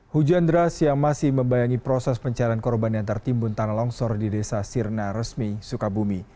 hujan deras yang masih membayangi proses pencarian korban yang tertimbun tanah longsor di desa sirna resmi sukabumi